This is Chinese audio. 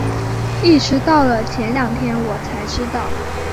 一直到了前两天我才知道